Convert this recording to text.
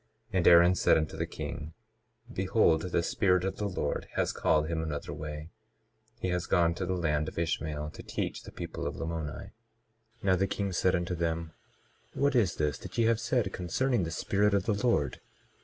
22:4 And Aaron said unto the king: Behold, the Spirit of the Lord has called him another way; he has gone to the land of Ishmael, to teach the people of Lamoni. 22:5 Now the king said unto them: What is this that ye have said concerning the Spirit of the Lord?